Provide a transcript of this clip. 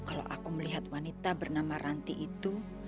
kalau aku melihat wanita bernama ranti itu